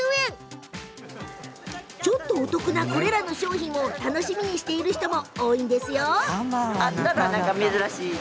ちょっとお得なこれらの商品を楽しみにしている人も多いんです。